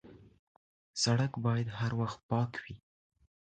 سړک باید هر وخت پاک وي.